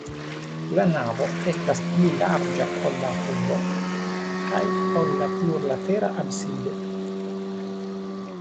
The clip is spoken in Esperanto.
La navo estas pli larĝa, ol la turo kaj ol la plurlatera absido.